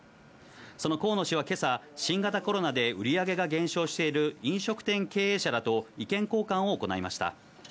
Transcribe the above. その河野氏はけさ、新型コロナで売り上げが減少している飲食店経営者らと意見交換を行いました。